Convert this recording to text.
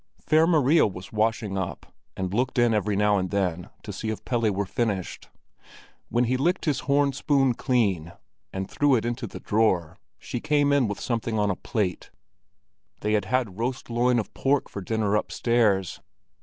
Fair Maria was washing up, and looked in every now and then to see if Pelle were finished. When he licked his horn spoon clean and threw it into the drawer, she came in with something on a plate: they had had roast loin of pork for dinner upstairs.